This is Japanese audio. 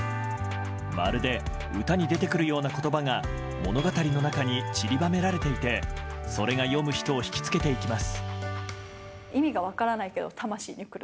まるで歌に出てくるような言葉が物語の中に散りばめられていてそれが読む人を引き付けていきます。